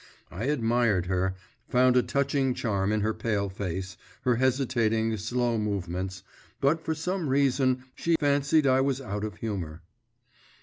I admired her, found a touching charm in her pale face, her hesitating, slow movements, but she for some reason fancied I was out of humour.